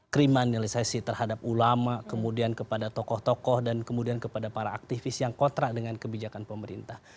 kriminalisasi terhadap ulama kemudian kepada tokoh tokoh dan kemudian kepada para aktivis yang kontrak dengan kebijakan pemerintah